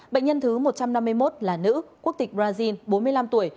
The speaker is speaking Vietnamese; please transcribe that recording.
bệnh nhân thứ một trăm năm mươi một là nữ quốc tịch brazil bốn mươi năm tuổi